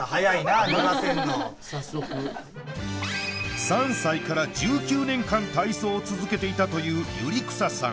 早速３歳から１９年間体操を続けていたという百合草さん